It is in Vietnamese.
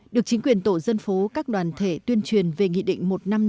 được chính quyền tổ dân phố các đoàn thể tuyên truyền về nghị định một trăm năm mươi năm